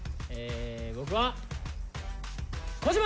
僕は小島！